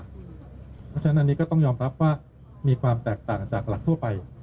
เพราะฉะนั้นอันนี้ก็ต้องยอมรับว่ามีความแตกต่างจากหลักทั่วไป